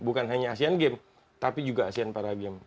bukan hanya asean games tapi juga asean para games